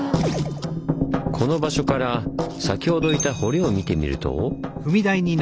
この場所から先ほどいた堀を見てみると。